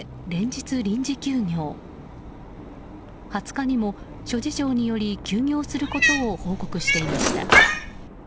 ２０日にも諸事情により休業することを報告していました。